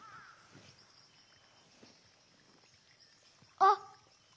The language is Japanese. あっ！